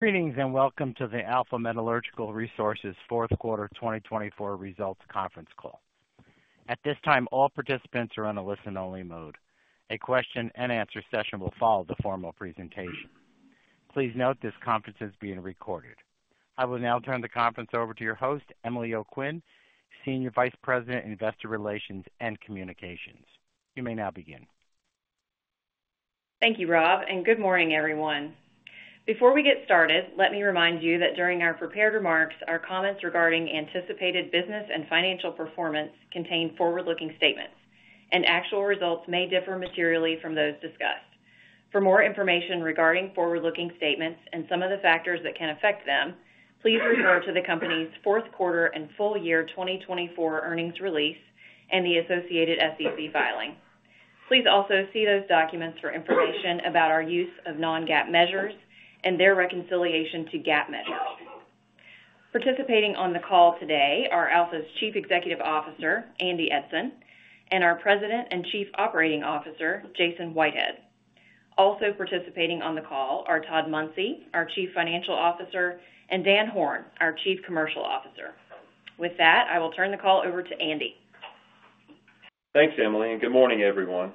Greetings and welcome to the Alpha Metallurgical Resources fourth quarter 2024 results conference call. At this time, all participants are on a listen-only mode. A question-and-answer session will follow the formal presentation. Please note this conference is being recorded. I will now turn the conference over to your host, Emily O'Quinn, Senior Vice President, Investor Relations and Communications. You may now begin. Thank you, Rob, and good morning, everyone. Before we get started, let me remind you that during our prepared remarks, our comments regarding anticipated business and financial performance contain forward-looking statements, and actual results may differ materially from those discussed. For more information regarding forward-looking statements and some of the factors that can affect them, please refer to the company's Fourth Quarter and Full Year 2024 Earnings Release and the associated SEC filing. Please also see those documents for information about our use of non-GAAP measures and their reconciliation to GAAP measures. Participating on the call today are Alpha's Chief Executive Officer, Andy Eidson, and our President and Chief Operating Officer, Jason Whitehead. Also participating on the call are Todd Munsey, our Chief Financial Officer, and Dan Horn, our Chief Commercial Officer. With that, I will turn the call over to Andy. Thanks, Emily, and good morning, everyone.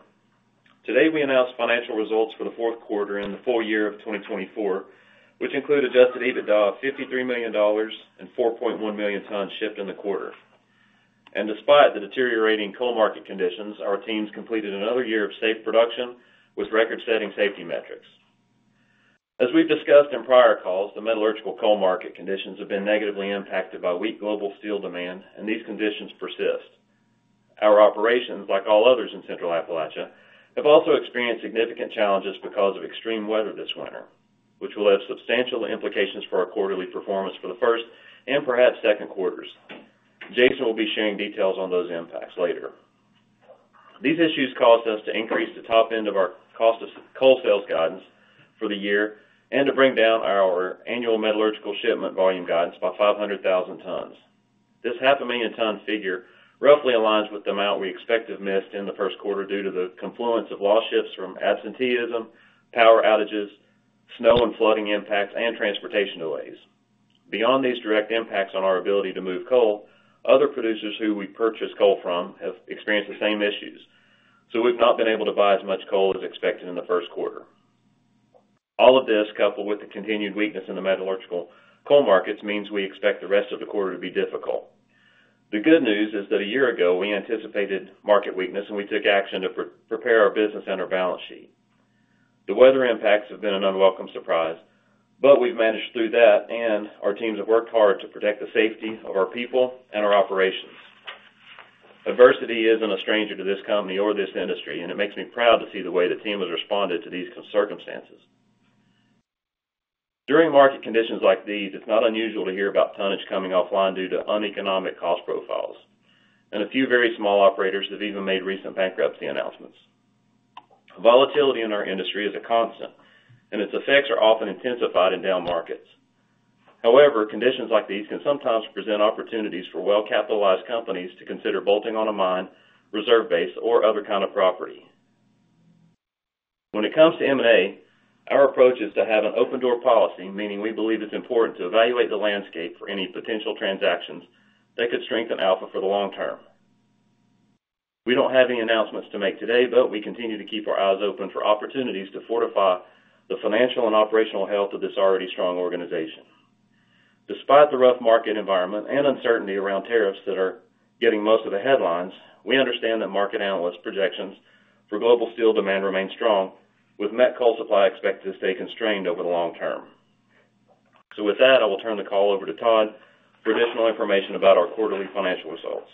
Today we announced financial results for the fourth quarter and the full year of 2024, which include adjusted EBITDA of $53 million and 4.1 million tons shipped in the quarter. Despite the deteriorating coal market conditions, our teams completed another year of safe production with record-setting safety metrics. As we've discussed in prior calls, the metallurgical coal market conditions have been negatively impacted by weak global steel demand, and these conditions persist. Our operations, like all others in Central Appalachia, have also experienced significant challenges because of extreme weather this winter, which will have substantial implications for our quarterly performance for the first and perhaps second quarters. Jason will be sharing details on those impacts later. These issues caused us to increase the top end of our cost of coal sales guidance for the year and to bring down our annual metallurgical shipment volume guidance by 500,000 tons. This 500,000 ton figure roughly aligns with the amount we expected missed in the first quarter due to the confluence of lost shifts from absenteeism, power outages, snow and flooding impacts, and transportation delays. Beyond these direct impacts on our ability to move coal, other producers who we purchase coal from have experienced the same issues, so we've not been able to buy as much coal as expected in the first quarter. All of this, coupled with the continued weakness in the metallurgical coal markets, means we expect the rest of the quarter to be difficult. The good news is that a year ago we anticipated market weakness, and we took action to prepare our business and our balance sheet. The weather impacts have been an unwelcome surprise, but we've managed through that, and our teams have worked hard to protect the safety of our people and our operations. Adversity isn't a stranger to this company or this industry, and it makes me proud to see the way the team has responded to these circumstances. During market conditions like these, it's not unusual to hear about tonnage coming offline due to uneconomic cost profiles, and a few very small operators have even made recent bankruptcy announcements. Volatility in our industry is a constant, and its effects are often intensified in down markets. However, conditions like these can sometimes present opportunities for well-capitalized companies to consider bolting on a mine, reserve base, or other kind of property. When it comes to M&A, our approach is to have an open-door policy, meaning we believe it's important to evaluate the landscape for any potential transactions that could strengthen Alpha for the long term. We don't have any announcements to make today, but we continue to keep our eyes open for opportunities to fortify the financial and operational health of this already strong organization. Despite the rough market environment and uncertainty around tariffs that are getting most of the headlines, we understand that market analysts' projections for global steel demand remain strong, with met coal supply expected to stay constrained over the long term. With that, I will turn the call over to Todd for additional information about our quarterly financial results.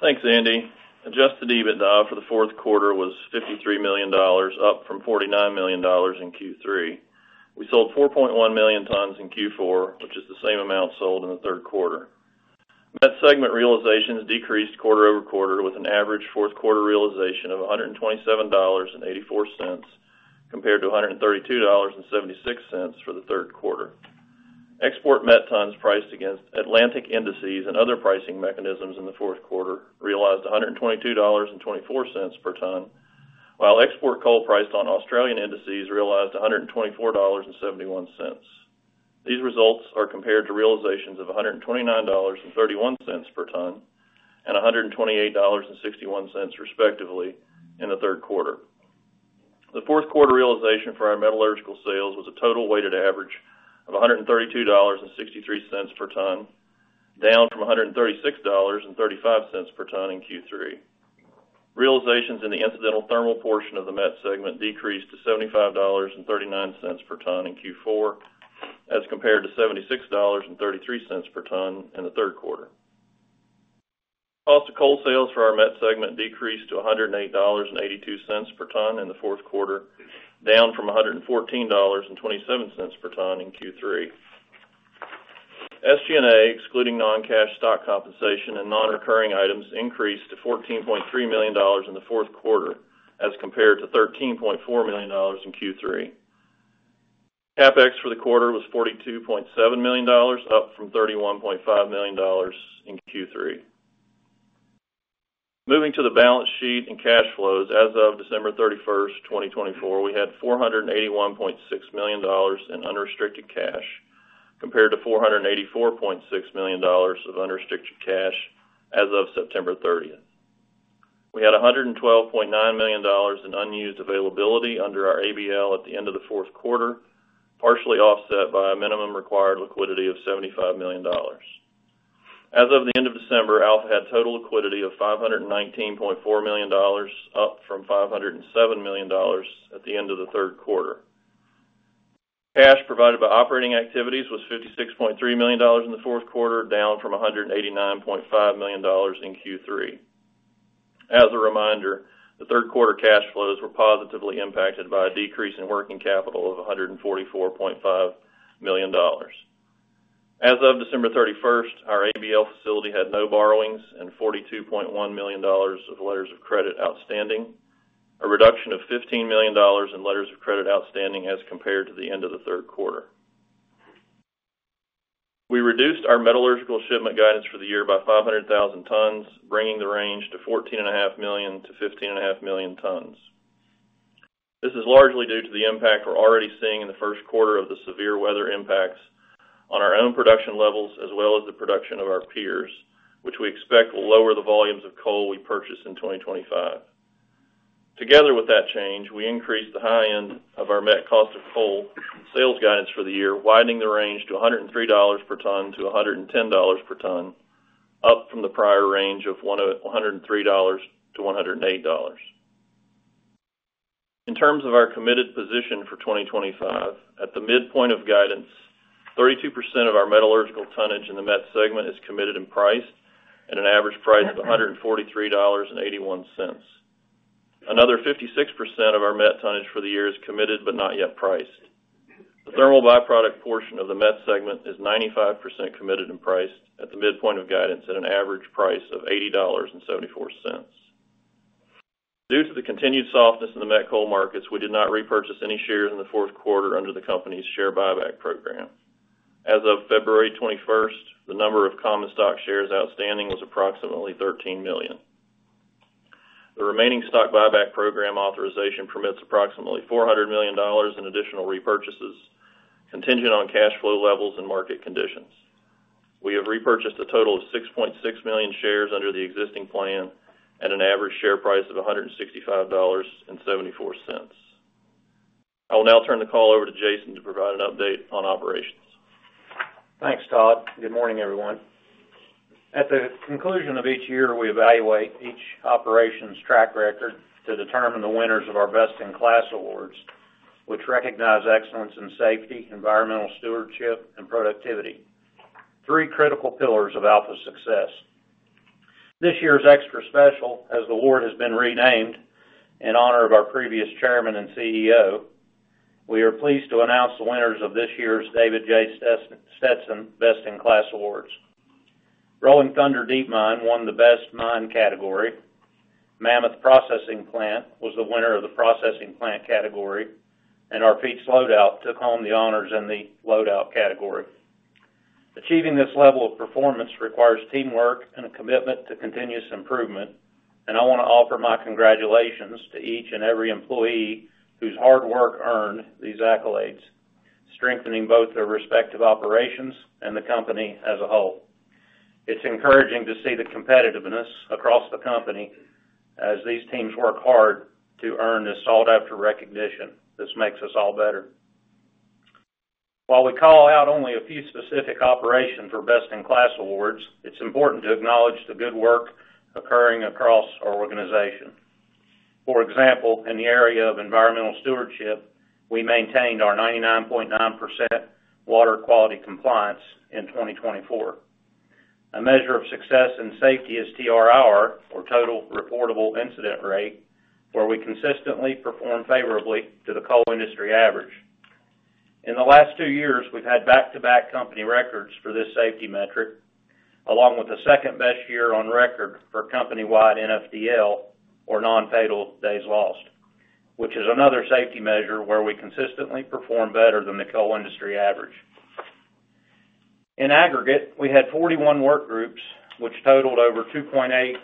Thanks, Andy. Adjusted EBITDA for the fourth quarter was $53 million, up from $49 million in Q3. We sold 4.1 million tons in Q4, which is the same amount sold in the third quarter. Met segment realizations decreased quarter-over-quarter, with an average fourth quarter realization of $127.84 compared to $132.76 for the third quarter. Export met tons priced against Atlantic indices and other pricing mechanisms in the fourth quarter realized $122.24 per ton, while export coal priced on Australian indices realized $124.71. These results are compared to realizations of $129.31 per ton and $128.61 respectively in the third quarter. The fourth quarter realization for our metallurgical sales was a total weighted average of $132.63 per ton, down from $136.35 per ton in Q3. Realizations in the incidental thermal portion of the met segment decreased to $75.39 per ton in Q4, as compared to $76.33 per ton in the third quarter. Cost of coal sales for our met segment decreased to $108.82 per ton in the fourth quarter, down from $114.27 per ton in Q3. SG&A, excluding non-cash stock compensation and non-recurring items, increased to $14.3 million in the fourth quarter, as compared to $13.4 million in Q3. CapEx for the quarter was $42.7 million, up from $31.5 million in Q3. Moving to the balance sheet and cash flows, as of December 31st, 2024, we had $481.6 million in unrestricted cash compared to $484.6 million of unrestricted cash as of September 30th. We had $112.9 million in unused availability under our ABL at the end of the fourth quarter, partially offset by a minimum required liquidity of $75 million. As of the end of December, Alpha had total liquidity of $519.4 million, up from $507 million at the end of the third quarter. Cash provided by operating activities was $56.3 million in the fourth quarter, down from $189.5 million in Q3. As a reminder, the third quarter cash flows were positively impacted by a decrease in working capital of $144.5 million. As of December 31st, our ABL facility had no borrowings and $42.1 million of letters of credit outstanding, a reduction of $15 million in letters of credit outstanding as compared to the end of the third quarter. We reduced our metallurgical shipment guidance for the year by 500,000 tons, bringing the range to 14.5 million-15.5 million tons. This is largely due to the impact we're already seeing in the first quarter of the severe weather impacts on our own production levels as well as the production of our peers, which we expect will lower the volumes of coal we purchase in 2025. Together with that change, we increased the high end of our met cost of coal sales guidance for the year, widening the range to $103 per ton-$110 per ton, up from the prior range of $103-$108. In terms of our committed position for 2025, at the midpoint of guidance, 32% of our metallurgical tonnage in the met segment is committed and priced at an average price of $143.81. Another 56% of our met tonnage for the year is committed but not yet priced. The thermal byproduct portion of the met segment is 95% committed and priced at the midpoint of guidance at an average price of $80.74. Due to the continued softness in the met coal markets, we did not repurchase any shares in the fourth quarter under the company's share buyback program. As of February 21st, the number of common stock shares outstanding was approximately 13 million. The remaining stock buyback program authorization permits approximately $400 million in additional repurchases, contingent on cash flow levels and market conditions. We have repurchased a total of 6.6 million shares under the existing plan at an average share price of $165.74. I will now turn the call over to Jason to provide an update on operations. Thanks, Todd. Good morning, everyone. At the conclusion of each year, we evaluate each operation's track record to determine the winners of our Best in Class awards, which recognize excellence in safety, environmental stewardship, and productivity, three critical pillars of Alpha's success. This year is extra special as the award has been renamed in honor of our previous Chairman and CEO. We are pleased to announce the winners of this year's David J. Stetson Best in Class awards. Rolling Thunder Deep Mine won the Best Mine category. Mammoth Processing Plant was the winner of the Processing Plant category, and our Feats Loadout took home the honors in the Loadout category. Achieving this level of performance requires teamwork and a commitment to continuous improvement, and I want to offer my congratulations to each and every employee whose hard work earned these accolades, strengthening both their respective operations and the company as a whole. It's encouraging to see the competitiveness across the company as these teams work hard to earn this sought-after recognition. This makes us all better. While we call out only a few specific operations for Best in Class awards, it's important to acknowledge the good work occurring across our organization. For example, in the area of environmental stewardship, we maintained our 99.9% water quality compliance in 2024. A measure of success in safety is TRIR, or Total Reportable Incident Rate, where we consistently perform favorably to the coal industry average. In the last two years, we've had back-to-back company records for this safety metric, along with the second-best year on record for company-wide NFDL, or Non-Fatal Days Lost, which is another safety measure where we consistently perform better than the coal industry average. In aggregate, we had 41 work groups, which totaled over 2.8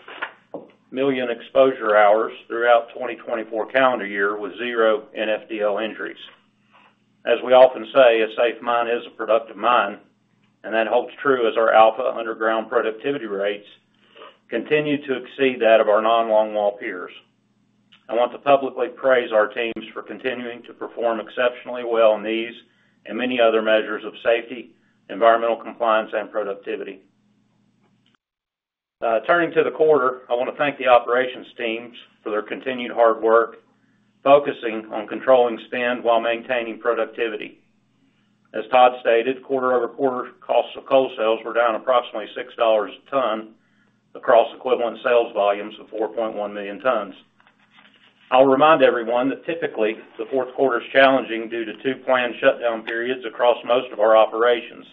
million exposure hours throughout the 2024 calendar year with zero NFDL injuries. As we often say, a safe mine is a productive mine, and that holds true as our Alpha underground productivity rates continue to exceed that of our non-long-haul peers. I want to publicly praise our teams for continuing to perform exceptionally well in these and many other measures of safety, environmental compliance, and productivity. Turning to the quarter, I want to thank the operations teams for their continued hard work focusing on controlling spend while maintaining productivity. As Todd stated, quarter-over-quarter costs of coal sales were down approximately $6 a ton across equivalent sales volumes of 4.1 million tons. I'll remind everyone that typically the fourth quarter is challenging due to two planned shutdown periods across most of our operations.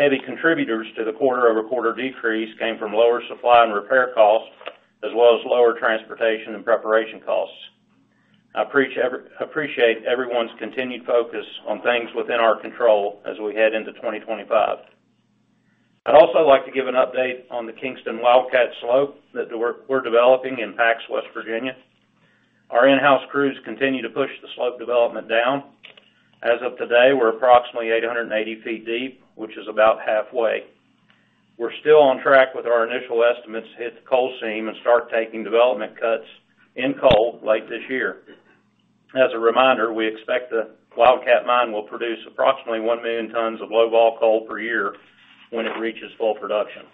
Heavy contributors to the quarter-over-quarter decrease came from lower supply and repair costs, as well as lower transportation and preparation costs. I appreciate everyone's continued focus on things within our control as we head into 2025. I'd also like to give an update on the Kingston Wildcat slope that we're developing in Pax, West Virginia. Our in-house crews continue to push the slope development down. As of today, we're approximately 880 feet deep, which is about halfway. We're still on track with our initial estimates to hit the coal seam and start taking development cuts in coal late this year. As a reminder, we expect the Wildcat mine will produce approximately 1 million tons of low-ball coal per year when it reaches full production.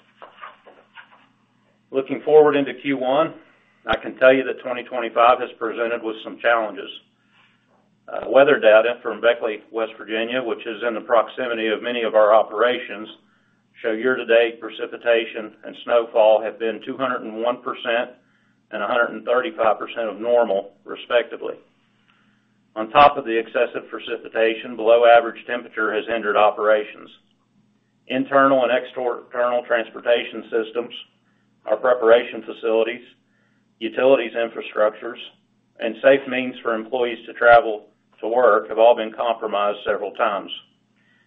Looking forward into Q1, I can tell you that 2025 has presented with some challenges. Weather data from Beckley, West Virginia, which is in the proximity of many of our operations, show year-to-date precipitation and snowfall have been 201% and 135% of normal, respectively. On top of the excessive precipitation, below-average temperature has hindered operations. Internal and external transportation systems, our preparation facilities, utilities infrastructures, and safe means for employees to travel to work have all been compromised several times,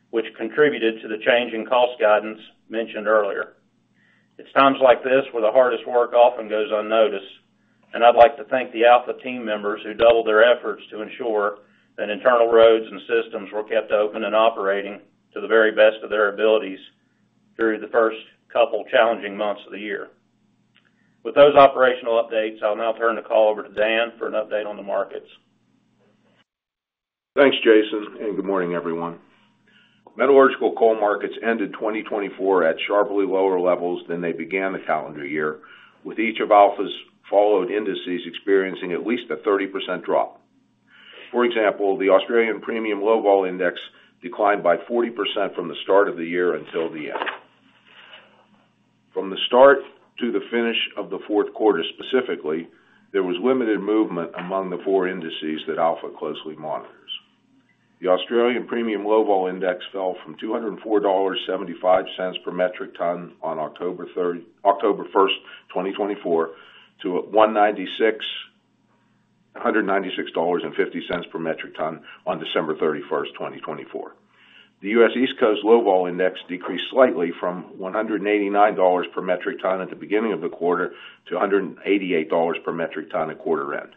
which contributed to the change in cost guidance mentioned earlier. It's times like this where the hardest work often goes unnoticed, and I'd like to thank the Alpha team members who doubled their efforts to ensure that internal roads and systems were kept open and operating to the very best of their abilities through the first couple challenging months of the year. With those operational updates, I'll now turn the call over to Dan for an update on the markets. Thanks, Jason, and good morning, everyone. Metallurgical coal markets ended 2024 at sharply lower levels than they began the calendar year, with each of Alpha's followed indices experiencing at least a 30% drop. For example, the Australian Premium Low Volatile Index declined by 40% from the start of the year until the end. From the start to the finish of the fourth quarter specifically, there was limited movement among the four indices that Alpha closely monitors. The Australian Premium Low Volatile Index fell from $204.75 per metric ton on October 1st, 2024, to $196.50 per metric ton on December 31st, 2024. The U.S. East Coast Lowball Index decreased slightly from $189 per metric ton at the beginning of the quarter to $188 per metric ton at quarter end.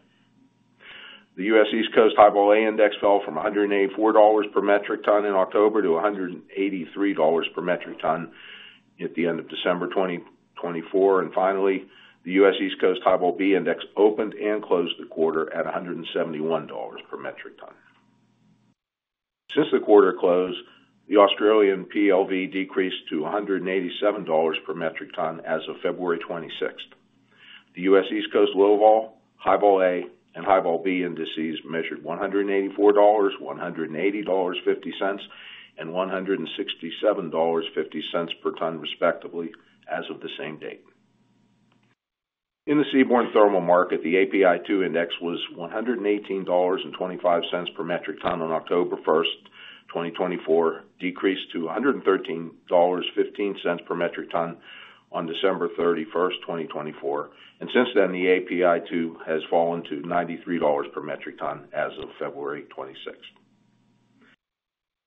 The U.S. East Coast Highball A Index fell from $184 per metric ton in October to $183 per metric ton at the end of December 2024. Finally, the U.S. East Coast Highball B Index opened and closed the quarter at $171 per metric ton. Since the quarter close, the Australian PLV decreased to $187 per metric ton as of February 26th. The U.S. East Coast Lowball, Highball A, and Highball B indices measured $184, $180.50, and $167.50 per ton, respectively, as of the same date. In the seaborne thermal market, the API-2 Index was $118.25 per metric ton on October 1st, 2024, and decreased to $113.15 per metric ton on December 31st, 2024. Since then, the API-2 has fallen to $93 per metric ton as of February 26th.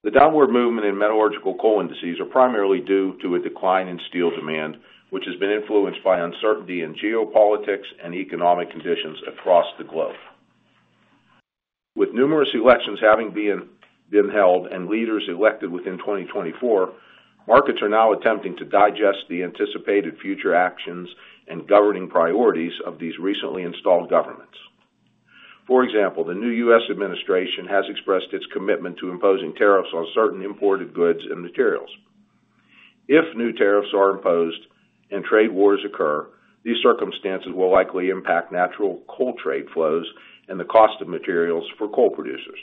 The downward movement in metallurgical coal indices is primarily due to a decline in steel demand, which has been influenced by uncertainty in geopolitics and economic conditions across the globe. With numerous elections having been held and leaders elected within 2024, markets are now attempting to digest the anticipated future actions and governing priorities of these recently installed governments. For example, the new U.S. administration has expressed its commitment to imposing tariffs on certain imported goods and materials. If new tariffs are imposed and trade wars occur, these circumstances will likely impact natural coal trade flows and the cost of materials for coal producers.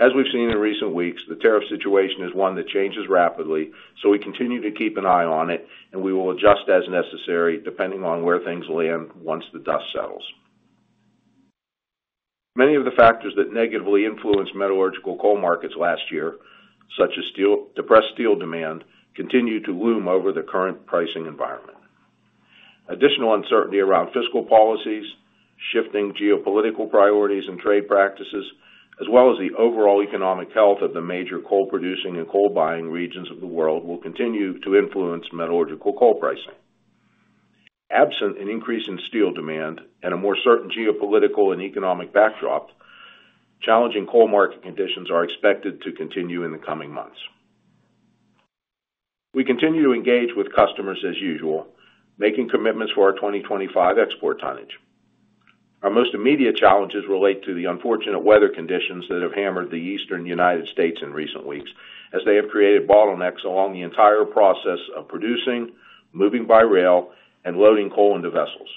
As we've seen in recent weeks, the tariff situation is one that changes rapidly, so we continue to keep an eye on it, and we will adjust as necessary depending on where things land once the dust settles. Many of the factors that negatively influenced metallurgical coal markets last year, such as depressed steel demand, continue to loom over the current pricing environment. Additional uncertainty around fiscal policies, shifting geopolitical priorities and trade practices, as well as the overall economic health of the major coal-producing and coal-buying regions of the world, will continue to influence metallurgical coal pricing. Absent an increase in steel demand and a more certain geopolitical and economic backdrop, challenging coal market conditions are expected to continue in the coming months. We continue to engage with customers as usual, making commitments for our 2025 export tonnage. Our most immediate challenges relate to the unfortunate weather conditions that have hammered the eastern United States in recent weeks, as they have created bottlenecks along the entire process of producing, moving by rail, and loading coal into vessels.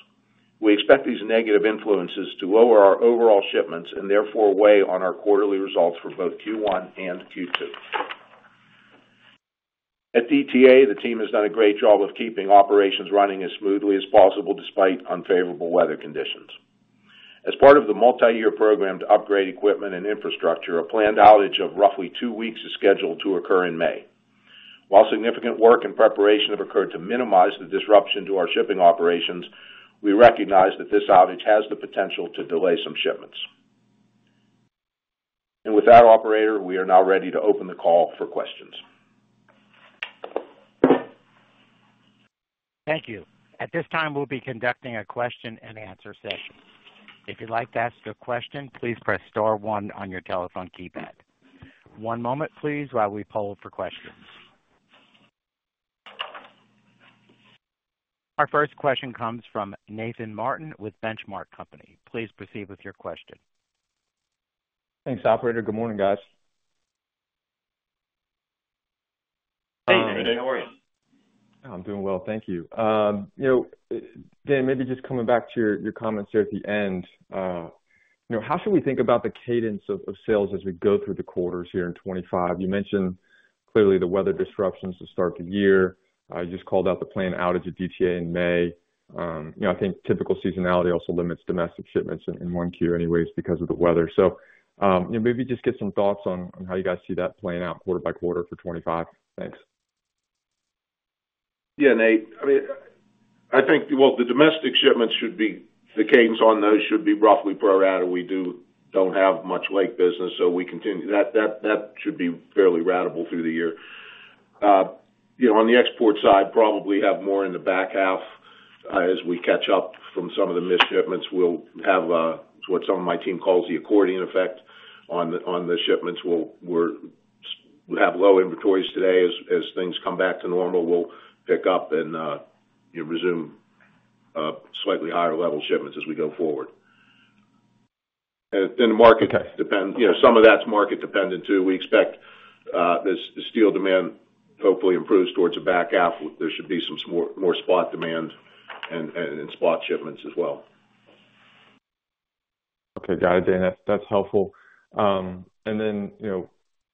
We expect these negative influences to lower our overall shipments and therefore weigh on our quarterly results for both Q1 and Q2. At DTA, the team has done a great job of keeping operations running as smoothly as possible despite unfavorable weather conditions. As part of the multi-year program to upgrade equipment and infrastructure, a planned outage of roughly two weeks is scheduled to occur in May. While significant work and preparation have occurred to minimize the disruption to our shipping operations, we recognize that this outage has the potential to delay some shipments. With that, operator, we are now ready to open the call for questions. Thank you. At this time, we'll be conducting a question-and-answer session. If you'd like to ask a question, please press star one on your telephone keypad. One moment, please, while we poll for questions. Our first question comes from Nathan Martin with Benchmark Company. Please proceed with your question. Thanks, operator. Good morning, guys. Hey, David. How are you? I'm doing well. Thank you. You know, Dan, maybe just coming back to your comments here at the end, you know, how should we think about the cadence of sales as we go through the quarters here in 2025? You mentioned clearly the weather disruptions to start the year. You just called out the planned outage at DTA in May. You know, I think typical seasonality also limits domestic shipments in one tier anyways because of the weather. So, you know, maybe just get some thoughts on how you guys see that playing out quarter by quarter for 2025. Thanks. Yeah, Nate. I mean, I think the domestic shipments should be, the cadence on those should be roughly per outage. We do not have much lake business, so we continue that. That should be fairly ratable through the year. You know, on the export side, probably have more in the back half as we catch up from some of the missed shipments. We will have what some of my team calls the accordion effect on the shipments. We will have low inventories today. As things come back to normal, we will pick up and resume slightly higher level shipments as we go forward. The market depends, you know, some of that is market dependent too. We expect the steel demand hopefully improves towards the back half. There should be some more spot demand and spot shipments as well. Okay. Got it, Dan. That's helpful. You know,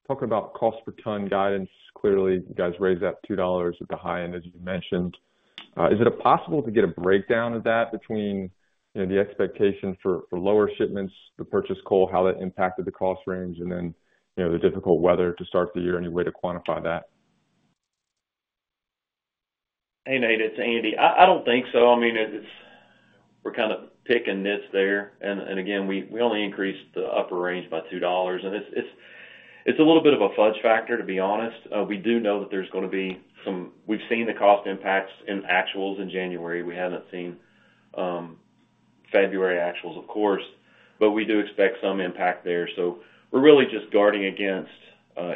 talking about cost per ton guidance, clearly you guys raised that $2 at the high end, as you mentioned. Is it possible to get a breakdown of that between, you know, the expectation for lower shipments, the purchase coal, how that impacted the cost range, and, you know, the difficult weather to start the year? Any way to quantify that? Hey, Nate, it's Andy. I don't think so. I mean, we're kind of picking nits there. Again, we only increased the upper range by $2. It's a little bit of a fudge factor, to be honest. We do know that there's going to be some—we've seen the cost impacts in actuals in January. We haven't seen February actuals, of course, but we do expect some impact there. We're really just guarding against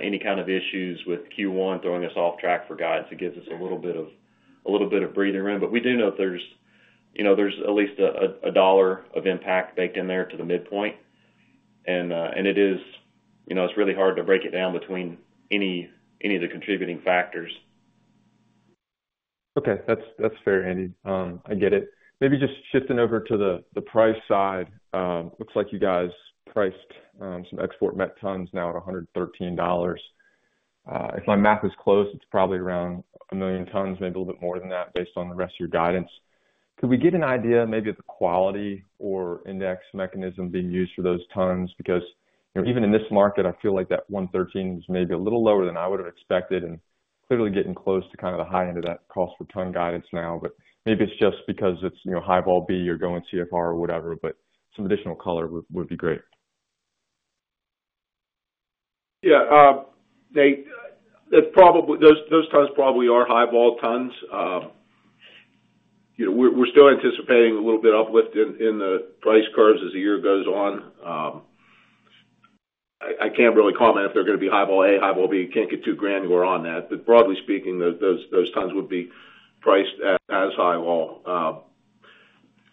any kind of issues with Q1 throwing us off track for guidance. It gives us a little bit of breathing room. We do know there's, you know, there's at least a dollar of impact baked in there to the midpoint. It is, you know, it's really hard to break it down between any of the contributing factors. Okay. That's fair, Andy. I get it. Maybe just shifting over to the price side, it looks like you guys priced some export met tons now at $113. If my math is close, it's probably around a million tons, maybe a little bit more than that based on the rest of your guidance. Could we get an idea maybe of the quality or index mechanism being used for those tons? Because, you know, even in this market, I feel like that $113 is maybe a little lower than I would have expected and clearly getting close to kind of the high end of that cost per ton guidance now. Maybe it's just because it's, you know, Highball B or going CFR or whatever, but some additional color would be great. Yeah. Nate, those tons probably are Highball tons. You know, we're still anticipating a little bit of uplift in the price curves as the year goes on. I can't really comment if they're going to be Highball A, Highball B. Can't get too granular on that. But broadly speaking, those tons would be priced as Highball.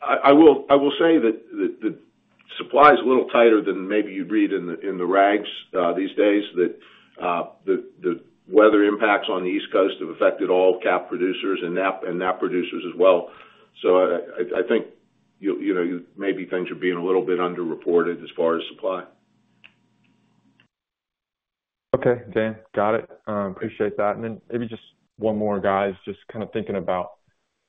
I will say that the supply is a little tighter than maybe you'd read in the rags these days, that the weather impacts on the East Coast have affected all Cap producers and Nap producers as well. I think, you know, maybe things are being a little bit underreported as far as supply. Okay, Dan. Got it. Appreciate that. Maybe just one more, guys, just kind of thinking about,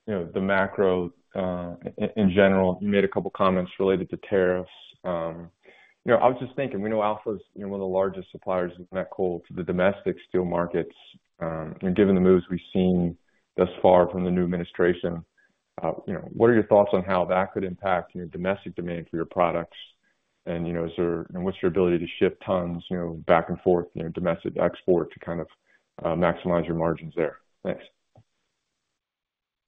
you know, the macro in general. You made a couple of comments related to tariffs. You know, I was just thinking, we know Alpha is one of the largest suppliers of met coal to the domestic steel markets. You know, given the moves we've seen thus far from the new administration, you know, what are your thoughts on how that could impact your domestic demand for your products? You know, is there—what's your ability to shift tons, you know, back and forth, you know, domestic export to kind of maximize your margins there? Thanks.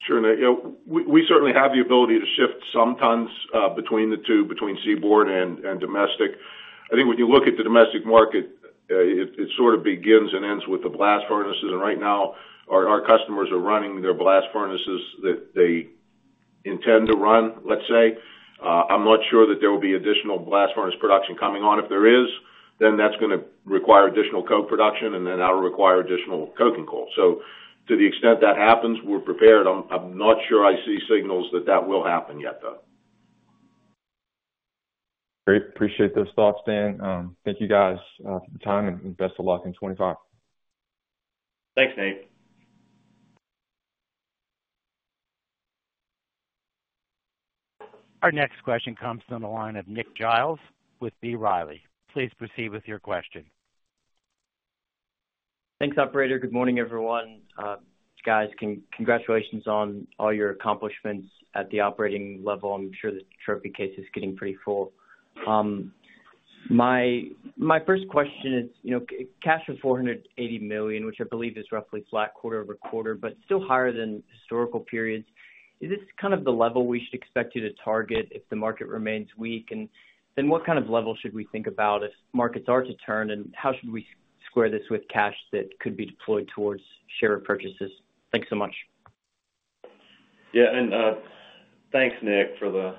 Sure, Nate. You know, we certainly have the ability to shift some tons between the two, between seaborne and domestic. I think when you look at the domestic market, it sort of begins and ends with the blast furnaces. Right now, our customers are running their blast furnaces that they intend to run, let's say. I'm not sure that there will be additional blast furnace production coming on. If there is, that is going to require additional coke production, and that will require additional coking coal. To the extent that happens, we are prepared. I'm not sure I see signals that that will happen yet, though. Great. Appreciate those thoughts, Dan. Thank you, guys, for the time, and best of luck in 2025. Thanks, Nate. Our next question comes from the line of Nick Giles with B. Riley. Please proceed with your question. Thanks, operator. Good morning, everyone. Guys, congratulations on all your accomplishments at the operating level. I'm sure the trophy case is getting pretty full. My first question is, you know, cash of $480 million, which I believe is roughly flat quarter-over-quarter, but still higher than historical periods. Is this kind of the level we should expect you to target if the market remains weak? And then what kind of level should we think about if markets are to turn, and how should we square this with cash that could be deployed towards share purchases? Thanks so much. Yeah. Thanks, Nick, for the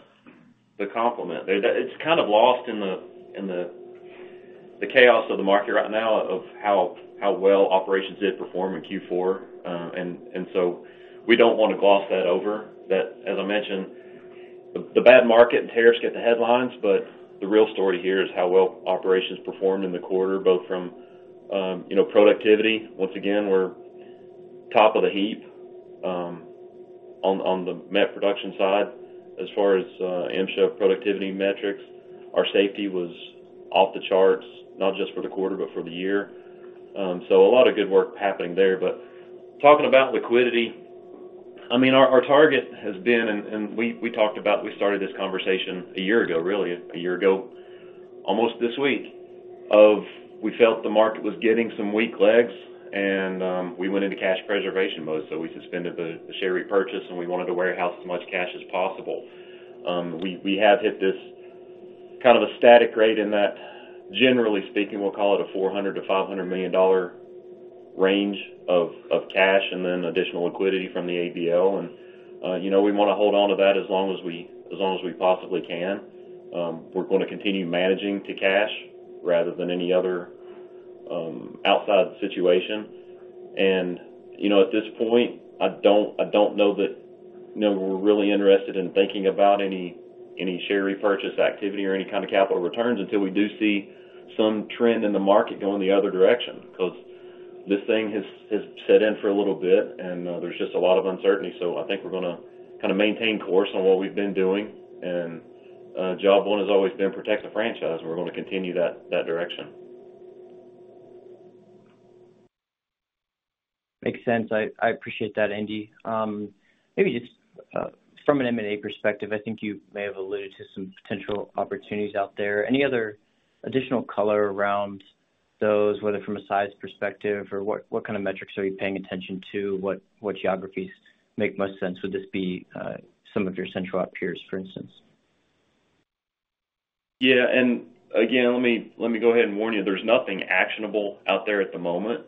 compliment. It's kind of lost in the chaos of the market right now how well operations did perform in Q4. We don't want to gloss that over. As I mentioned, the bad market and tariffs get the headlines, but the real story here is how well operations performed in the quarter, both from, you know, productivity. Once again, we're top of the heap on the met production side. As far as productivity metrics, our safety was off the charts, not just for the quarter, but for the year. A lot of good work happening there. Talking about liquidity, I mean, our target has been, and we talked about—we started this conversation a year ago, really, a year ago, almost this week, of we felt the market was getting some weak legs, and we went into cash preservation mode. We suspended the share repurchase, and we wanted to warehouse as much cash as possible. We have hit this kind of a static rate in that, generally speaking, we'll call it a $400 million-$500 million range of cash and then additional liquidity from the ABL. You know, we want to hold on to that as long as we possibly can. We're going to continue managing to cash rather than any other outside situation. You know, at this point, I don't know that, you know, we're really interested in thinking about any share repurchase activity or any kind of capital returns until we do see some trend in the market going the other direction because this thing has set in for a little bit, and there's just a lot of uncertainty. I think we're going to kind of maintain course on what we've been doing. Job one has always been protect the franchise. We're going to continue that direction. Makes sense. I appreciate that, Andy. Maybe just from an M&A perspective, I think you may have alluded to some potential opportunities out there. Any other additional color around those, whether from a size perspective or what kind of metrics are you paying attention to? What geographies make most sense? Would this be some of your centralized peers, for instance? Yeah. Let me go ahead and warn you, there's nothing actionable out there at the moment.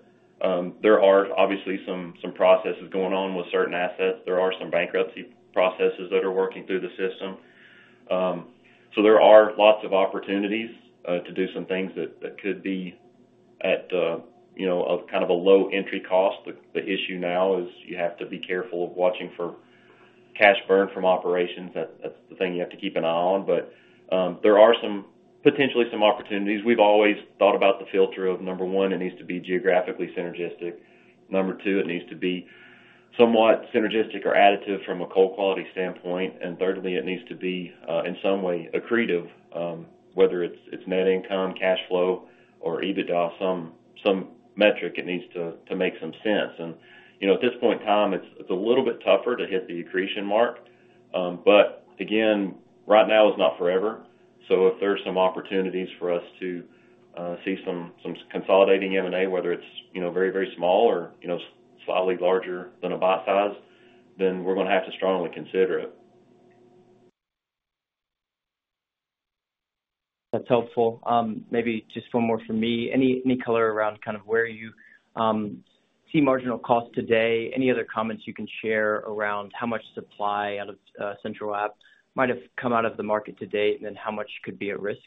There are obviously some processes going on with certain assets. There are some bankruptcy processes that are working through the system. There are lots of opportunities to do some things that could be at, you know, kind of a low entry cost. The issue now is you have to be careful of watching for cash burn from operations. That's the thing you have to keep an eye on. There are potentially some opportunities. We've always thought about the filter of, number one, it needs to be geographically synergistic. Number two, it needs to be somewhat synergistic or additive from a coal quality standpoint. Thirdly, it needs to be in some way accretive, whether it's net income, cash flow, or EBITDA, some metric it needs to make some sense. At this point in time, it's a little bit tougher to hit the accretion mark. Again, right now is not forever. If there are some opportunities for us to see some consolidating M&A, whether it's very, very small or slightly larger than a buy size, then we're going to have to strongly consider it. That's helpful. Maybe just one more from me. Any color around kind of where you see marginal cost today? Any other comments you can share around how much supply out of Central Appalachia might have come out of the market to date and then how much could be at risk?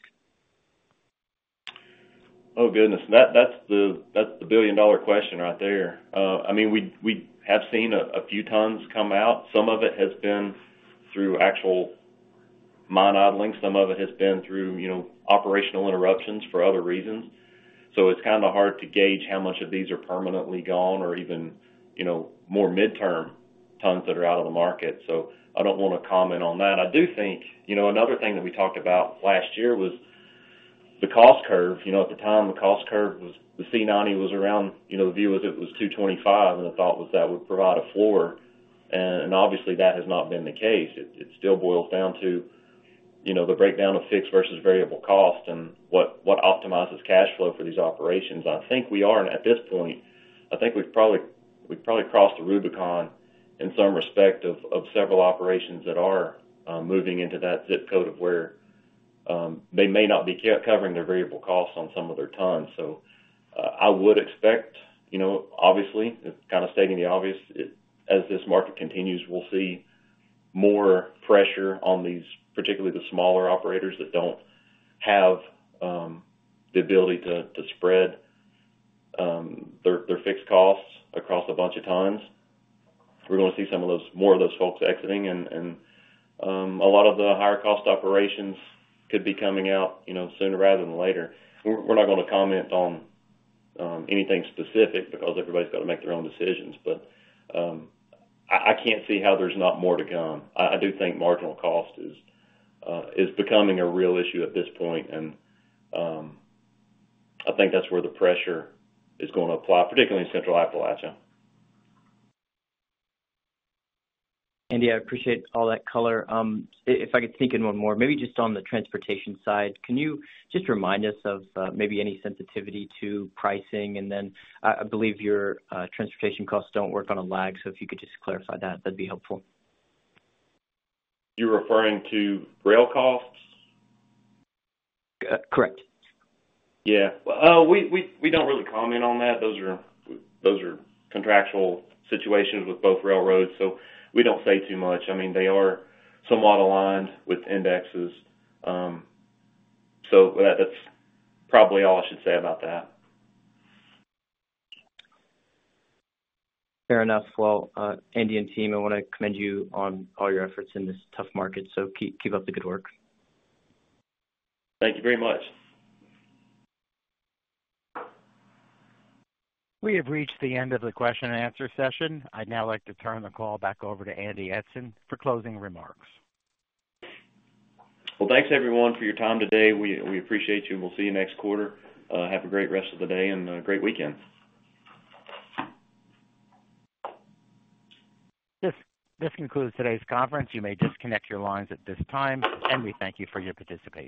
Oh, goodness. That's the billion-dollar question right there. I mean, we have seen a few tons come out. Some of it has been through actual mine idling. Some of it has been through, you know, operational interruptions for other reasons. It's kind of hard to gauge how much of these are permanently gone or even, you know, more midterm tons that are out of the market. I don't want to comment on that. I do think, you know, another thing that we talked about last year was the cost curve. At the time, the cost curve was the was around, you know, the view was it was $225, and the thought was that would provide a floor. Obviously, that has not been the case. It still boils down to, you know, the breakdown of fixed versus variable cost and what optimizes cash flow for these operations. I think we are, and at this point, I think we've probably crossed the Rubicon in some respect of several operations that are moving into that zip code of where they may not be covering their variable costs on some of their tons. I would expect, you know, obviously, kind of stating the obvious, as this market continues, we'll see more pressure on these, particularly the smaller operators that don't have the ability to spread their fixed costs across a bunch of tons. We're going to see some of those, more of those folks exiting, and a lot of the higher cost operations could be coming out, you know, sooner rather than later. We're not going to comment on anything specific because everybody's got to make their own decisions. I can't see how there's not more to come. I do think marginal cost is becoming a real issue at this point. I think that's where the pressure is going to apply, particularly in Central Appalachia. Andy, I appreciate all that color. If I could sneak in one more, maybe just on the transportation side, can you just remind us of maybe any sensitivity to pricing? I believe your transportation costs do not work on a lag. If you could just clarify that, that would be helpful. You're referring to rail costs? Correct. Yeah. We do not really comment on that. Those are contractual situations with both railroads. So we do not say too much. I mean, they are somewhat aligned with indexes. So that is probably all I should say about that. Fair enough. Andy and team, I want to commend you on all your efforts in this tough market. Keep up the good work. Thank you very much. We have reached the end of the question-and-answer session. I'd now like to turn the call back over to Andy Eidson for closing remarks. Thanks, everyone, for your time today. We appreciate you. We'll see you next quarter. Have a great rest of the day and a great weekend. This concludes today's conference. You may disconnect your lines at this time, and we thank you for your participation.